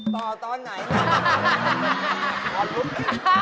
ต่อตอนไหนนะ